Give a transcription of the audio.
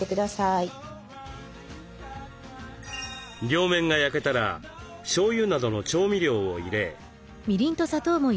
両面が焼けたらしょうゆなどの調味料を入れ。